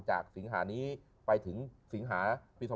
จากสิงหานี้ไปถึงสิงหาปี